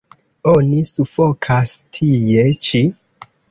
Oni sufokas tie ĉi.